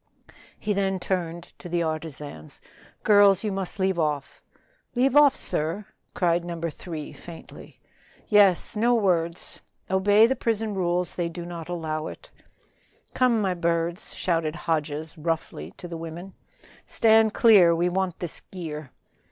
He then turned to the artisans. "Girls, you must leave off." "Leave off, sir?" cried No. 3 faintly. "Yes, no words; obey the prison rules; they do not allow it." "Come, my birds," shouted Hodges roughly to the women. "Stand clear, we want this gear."